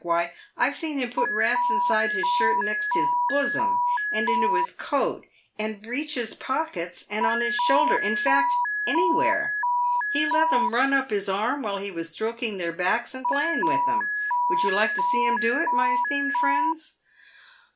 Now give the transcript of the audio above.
"Why, I've seen him put rats inside his shirt next his bosom, and into his coat, and breeches pockets, and on his shoulder — in fact, anywhere. He let 'em run up his arm while he was stroking their backs and playing with 'em. Would you like to see him do it, my esteemed friends